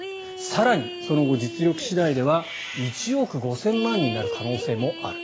更に、その後、実力次第では１億５０００万になる可能性もある。